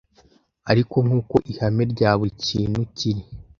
Ariko nkuko ihame rya buri kintu kiri